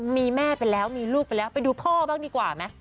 มีแม่ไปแล้วมีลูกไปแล้วไปดูพ่อบ้างดีกว่าไหม